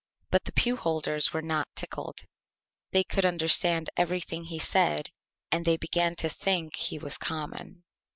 But the Pew Holders were not tickled. They could Understand everything he said, and they began to think he was Common.